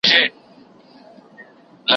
نه یې وېره وه له خدایه له دې کاره